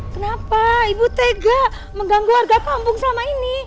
kenapa ibu tega mengganggu warga kampung selama ini